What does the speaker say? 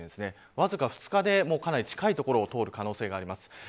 わずか２日で、かなり近い所を通る可能性があります。